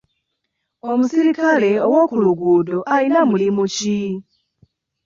Omusirikale w'okuluguudo alina mulimu ki?